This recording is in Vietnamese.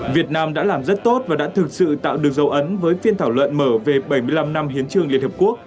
việt nam đã làm rất tốt và đã thực sự tạo được dấu ấn với phiên thảo luận mở về bảy mươi năm năm hiến trương liên hợp quốc